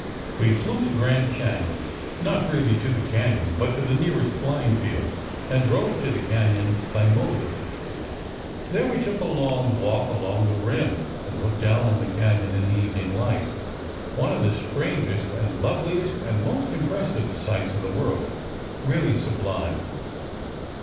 We flew to Grand Canyon—not really to the Canyon, but to the nearest flying field, and drove to the Canyon by motor. There we took a long walk along the rim, and looked down on the Canyon in the evening light, one of the strangest and loveliest and most impressive sights in the world—really sublime.